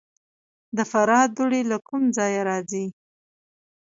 د فراه دوړې له کوم ځای راځي؟